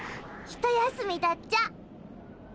一休みだっちゃ。